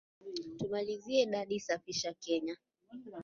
Tumalizie daddy safisha Kenya.